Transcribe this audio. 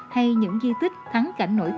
hay những di tích thắng cảnh nổi tình